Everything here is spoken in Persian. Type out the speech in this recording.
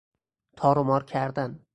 تار و مار کردن